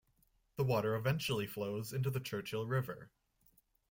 The water eventually flows into the Churchill River.